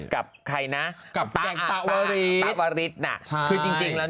กับใครนะตะวรีชเพราะจริงแล้ว